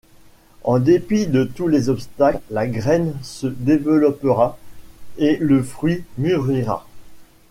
En dépit de tous les obstacles, la graine se développera et le fruit mûrira.